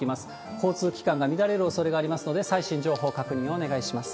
交通機関が乱れるおそれがありますので、最新情報確認をお願いします。